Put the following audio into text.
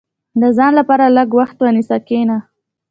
• د ځان لپاره لږ وخت ونیسه، کښېنه.